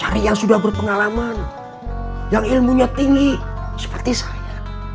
hari yang sudah berpengalaman yang ilmunya tinggi seperti saya